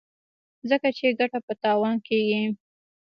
ځکه چې ګټه په تاوان کېږي.